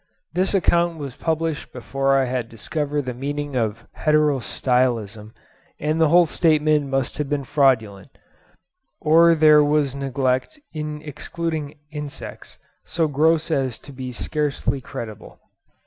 This account was published before I had discovered the meaning of heterostylism, and the whole statement must have been fraudulent, or there was neglect in excluding insects so gross as to be scarcely credible.